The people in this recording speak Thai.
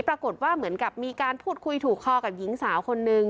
ปรากฏว่าเหมือนกับมีการพูดคุยถูกคอกับหญิงสาวคนนึง